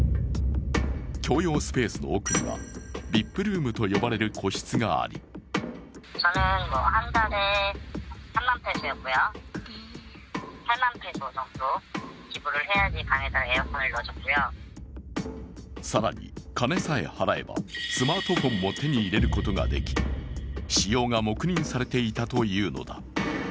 共用スペースの奥にはＶＩＰルームと呼ばれる個室があり更に金さえ払えば、スマートフォンも手に入れることができ使用が黙認されていたというのだ。